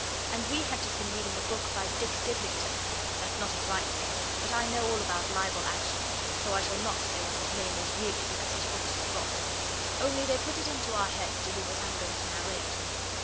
And we had just been reading a book by Dick Diddlington that's not his right name, but I know all about libel actions, so I shall not say what his name is really, because his books are rot. Only they put it into our heads to do what I am going to narrate.